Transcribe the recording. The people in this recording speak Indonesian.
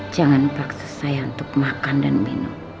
jangan paksa saya untuk makan dan minum